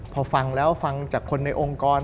พอฟังแล้วฟังจากคนในองค์กร